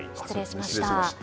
失礼しました。